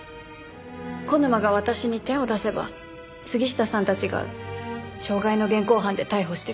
小沼が私に手を出せば杉下さんたちが傷害の現行犯で逮捕してくれる。